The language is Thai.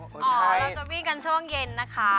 เราจะวิ่งกันช่วงเย็นนะคะ